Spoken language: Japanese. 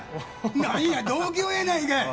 なんや同郷やないかい。